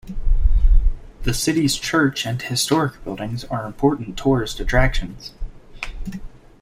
The city's church and historic buildings are important tourist attractions.